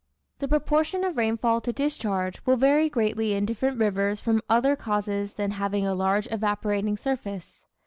The proportion of rainfall to discharge will vary greatly in different rivers from other causes than having a large evaporating surface.